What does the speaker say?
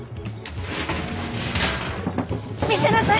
見せなさい！